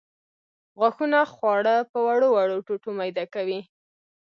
غاښونه خواړه په وړو وړو ټوټو میده کوي.